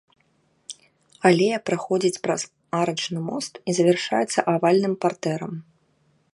Алея праходзіць праз арачны мост і завяршаецца авальным партэрам.